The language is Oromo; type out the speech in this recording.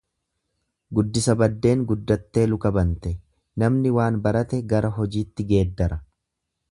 Guddisa baddeen guddattee luka bante Namni waan barate gara hojitti geeddara.